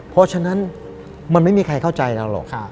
เพราะฉะนั้นมันไม่มีใครเข้าใจเราหรอก